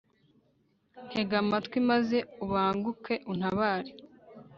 ntega amatwi, maze ubanguke untabare